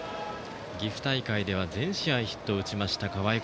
岐阜大会では全試合でヒットを打ちました、河合。